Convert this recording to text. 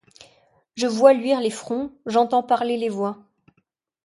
Je vois luire les fronts, j'entends parler les voix ;